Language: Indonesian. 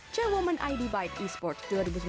yang menjelaskan id byte esports dua ribu sembilan belas